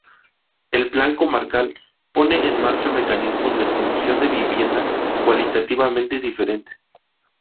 El Plan Comarcal pone en marcha mecanismos de producción de vivienda cualitativamente diferentes.